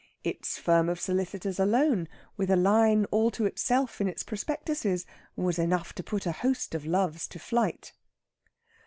Its firm of Solicitors alone, with a line all to itself in its prospectuses, was enough to put a host of Loves to flight.